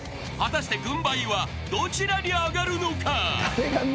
［果たして軍配はどちらに上がるのか？］